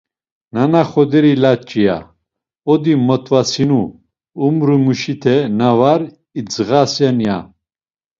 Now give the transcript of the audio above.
“Nana xoderi laç̌i!” ya; “Odi mot̆vatsinu umrimuşite na var idzğasen!” ya.